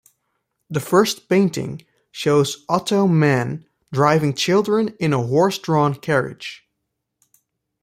The first painting shows Otto Mann driving children in a horse-drawn carriage.